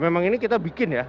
memang ini kita bikin ya